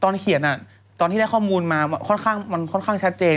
ตอนเขียนตอนที่ได้ข้อมูลมาค่อนข้างมันค่อนข้างชัดเจน